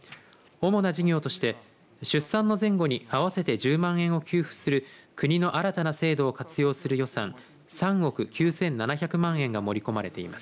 主な事業として出産の前後に合わせて１０万円を給付する国の新たな制度を活用する予算３億９７００万円が盛り込まれています。